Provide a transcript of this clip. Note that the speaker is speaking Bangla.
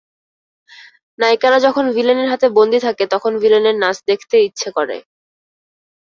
নায়িকারা যখন ভিলেনের হাতে বন্দী থাকে তখন ভিলেনের নাচ দেখতে ইচ্ছা করে।